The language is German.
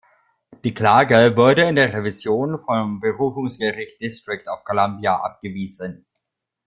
Die Klage wurde in der Revision vom Berufungsgericht im District of Columbia abgewiesen.